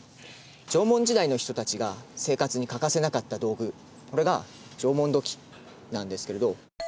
縄文時代の人たちが生活に欠かせなかった道具それが縄文土器なんですけれど。